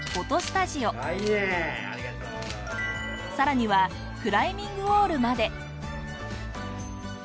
さらにはクライミングウォールまで。